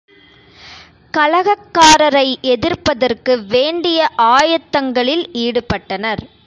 கலகக்காரரை எதிர்ப்பதற்கு வேண்டிய ஆயத்தங்களில் ஈடுபட்டனர்.